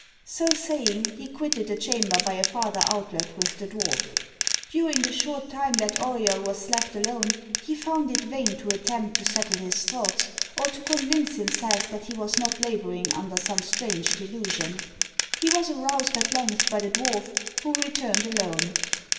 So saying, he quitted the chamber by a farther outlet with the dwarf. During the short time that Auriol was left alone, he found it vain to attempt to settle his thoughts, or to convince himself that he was not labouring under some strange delusion. He was aroused at length by the dwarf, who returned alone.